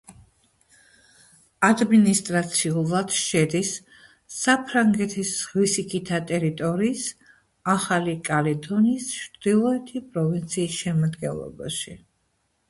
ადმინისტრაციულად შედის საფრანგეთის ზღვისიქითა ტერიტორიის ახალი კალედონიის ჩრდილოეთი პროვინციის შემადგენლობაში.